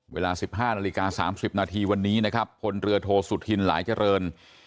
เวลา๑๕นาฬิกา๓๐นาทีวันนี้นะครับพลเรือโทสุธินหลายเจริญ